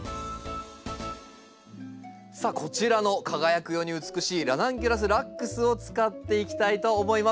さあこちらの輝くように美しいラナンキュラスラックスを使っていきたいと思います。